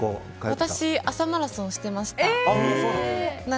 私、朝マラソンしてました。